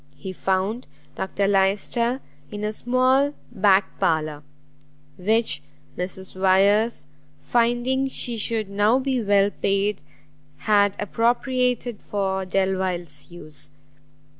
He found Dr Lyster in a small back parlour, which Mrs Wyers, finding she should now be well paid, had appropriated for Delvile's use.